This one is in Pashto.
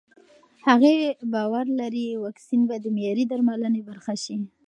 هغې باور لري واکسین به د معیاري درملنې برخه شي.